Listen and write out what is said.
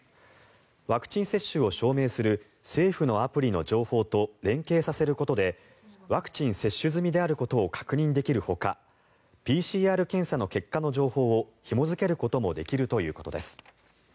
ワクチン接種を証明する政府のアプリの情報と連携させることでワクチン接種済みであることを確認できるほかＰＣＲ検査の結果の情報をひも付けることもできるということです。